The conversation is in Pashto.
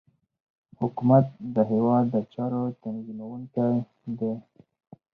حکومت د هیواد د چارو تنظیمونکی دی